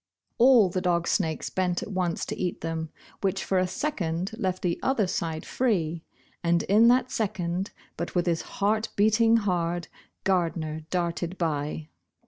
All the dog snakes bent at once to eat them, which for a second left the other side free, and in that second, but with his heart beating hard, Gardner darted by.